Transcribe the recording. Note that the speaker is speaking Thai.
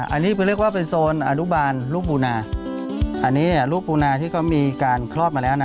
อันนี้คือเรียกว่าเป็นโซนอนุบาลลูกปูนาอันนี้เนี่ยลูกปูนาที่เขามีการคลอดมาแล้วนะ